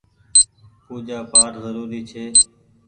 پوجآ پآٽ زروري ڇي۔